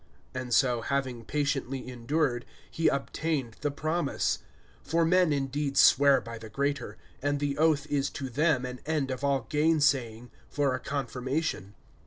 (15)And so, having patiently endured, he obtained the promise. (16)For men indeed swear by the greater; and the oath is to them an end of all gainsaying, for a confirmation.